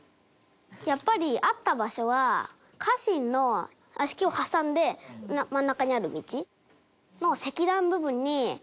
やっぱりあった場所は家臣の屋敷を挟んで真ん中にある道の石段部分に置いてあったんですけど。